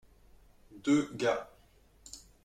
deux gars.